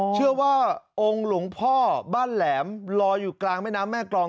เชื่อว่าองค์หลวงพ่อบ้านแหลมลอยอยู่กลางแม่น้ำแม่กรอง